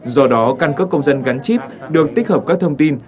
do đó căn cước công dân gắn chip được tích hợp các thông tin